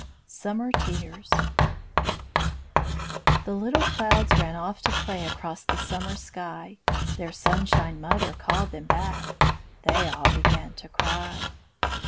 SUMMER TEARS The little clouds ran off to play Across the summer sky; Their sunshine mother called them back They all began to cry.